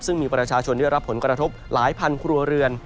ซึ่งมีประชาชนได้รับผลกระทบหลายพันครัวเรือน